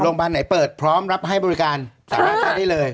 โรงพยาบาลไหนเปิดพร้อมรับให้บริการสามารถได้เลย